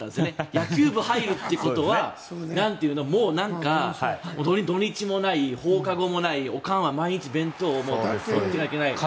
野球部に入るってことはもう何か、土日もない放課後もないおかんは毎日弁当を作ってくれないといけない。